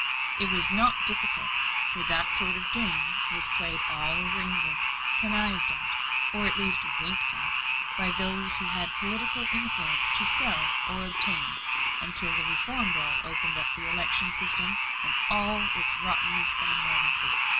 It was not difficult, for that sort of game was played all over England, connived at, or at least winked at, by those who had political influence to sell or obtain, until the Reform Bill opened up the election system in all its rottenness and enormity.